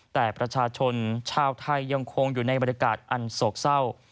แต่ประชาชนชาวไทยยังคงอยู่ในบรรยากาศอันโศกเศร้า